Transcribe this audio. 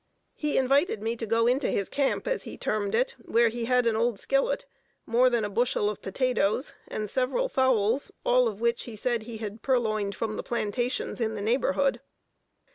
He invited me to go into his camp as he termed it, where he had an old skillet, more than a bushel of potatoes, and several fowls, all of which he said he had purloined from the plantations in the neighborhood.